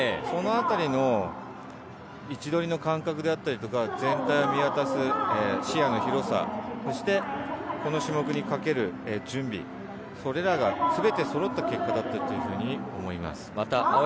そのあたりの位置取りの感覚であったり、全体を見渡す視野の広さ、この種目にかける準備、それらがすべてそろった結果だと思います。